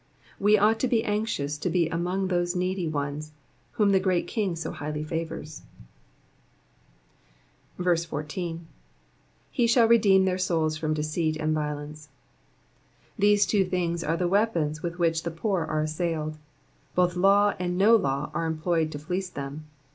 Wo ought to be anxious to be among these needy ones whom the Great King so highly favours. 14. ^d shall redeem their soul from deceit and violence.'''* These two things are the weapons with which the poor are assailed : both law and no law are employed to fleece them.